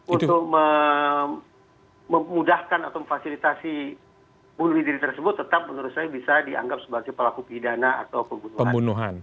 untuk memudahkan atau memfasilitasi bunuh diri tersebut tetap menurut saya bisa dianggap sebagai pelaku pidana atau pembunuhan